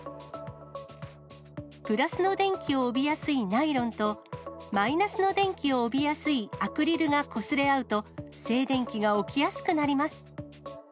プラスの電気を帯びやすいナイロンと、マイナスの電気を帯びやすいアクリルがこすれ合うと、静電気が起きやすくなります。